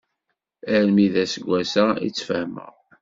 Armi d aseggas-a i tt-fehmeɣ.